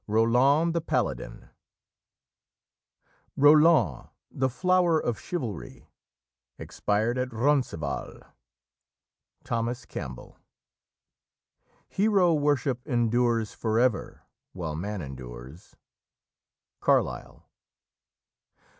ROLAND THE PALADIN "Roland, the flower of chivalry, Expired at Roncevall." Thomas Campbell. "Hero worship endures for ever while man endures." Carlyle.